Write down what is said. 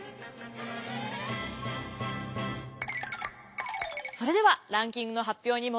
それではランキングの発表に戻りましょう。